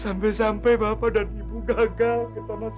sampai sampai bapak dan ibu gagal ke tanah susi